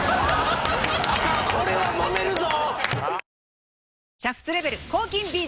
アカンこれはもめるぞ！